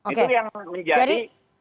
itu yang menjadi